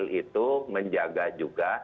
hamil itu menjaga juga